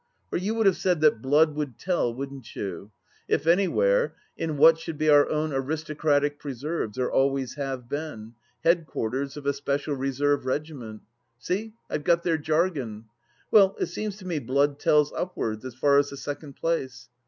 For you would have said that blood would tell, wouldn't you ? if anjrwhere, in what should be our own aristocratic preserves, or always have been — ^Head quarters of a Special Reserve Regiment. See, I've got their jargon !... Well, it seems to me blood tells upwards — as far as the second place.